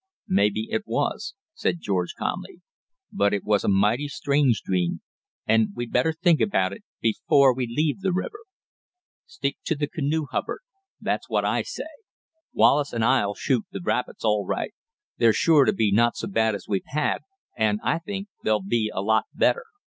"May be it was," said George calmly; "but it was a mighty strange dream, and we'd better think about it before we leave the river. Stick to the canoe, Hubbard, that's what I say. Wallace and I 'll shoot the rapids all right. They're sure to be not so bad as we've had, and I think they'll be a lot better.